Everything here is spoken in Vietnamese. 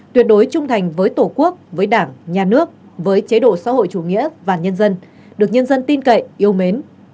tuyệt đối trung thành với tổ quốc với đảng nhà nước với chế độ xã hội chủ nghĩa và nhân dân được nhân dân tin cậy yêu mến